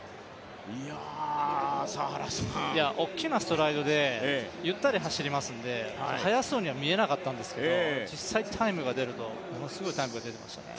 大きなストライドでゆったり走りますので早そうには見えなかったんですけど実際タイムが出るとものすごいタイムが出ていましたね。